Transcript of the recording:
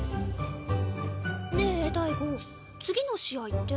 ねえ大吾次の試合って？